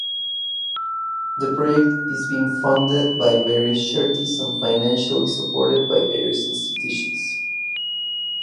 The project is being funded by various charities and financially supported by various institutions.